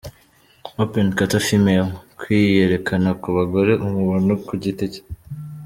Open Kata Female: Kwiyerekana ku bagore umuntu ku giti cye.